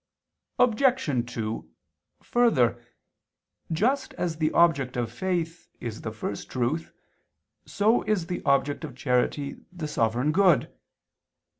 Obj. 2: Further, just as the object of faith is the First Truth, so is the object of charity the Sovereign Good.